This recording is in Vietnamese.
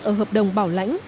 ở hợp đồng bảo lãnh